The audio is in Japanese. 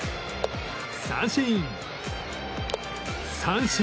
三振！